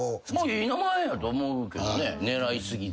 いい名前やと思うけどね狙い過ぎず。